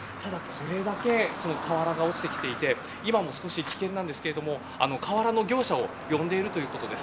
ただ、これだけ瓦が落ちてきて今も少し危険ですが瓦の業者を呼んでいるということです。